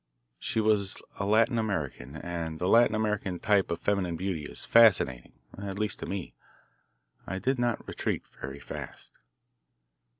She was a Latin American, and the Latin American type of feminine beauty is fascinating at least to me. I did not retreat very fast.